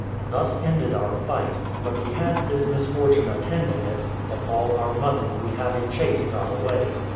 Thus ended our fight; but we had this misfortune attending it, that all our mutton we had in chase got away.